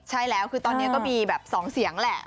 ใช่แล้วคือตอนนี้ก็มีแบบ๒เสียงแหละ